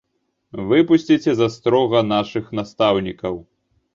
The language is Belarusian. Выпусціце з астрога нашых настаўнікаў!